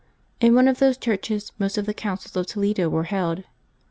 In one of those churches most of the councils of Toledo were held.